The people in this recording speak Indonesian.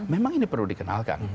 memang ini perlu dikenalkan